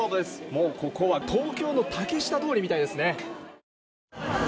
もうここは東京の竹下通りみたいですね。